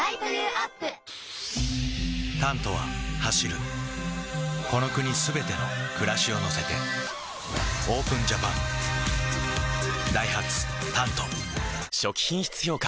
「タント」は走るこの国すべての暮らしを乗せてＯＰＥＮＪＡＰＡＮダイハツ「タント」初期品質評価